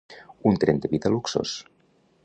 Un tren de vida luxós.